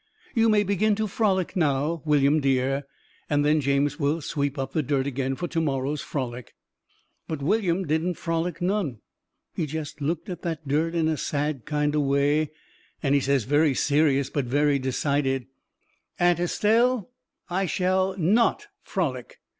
You may begin to frolic now, William Dear, and then James will sweep up the dirt again for to morrow's frolic." But William didn't frolic none. He jest looked at that dirt in a sad kind o' way, and he says very serious but very decided: "Aunt Estelle, I shall NOT frolic."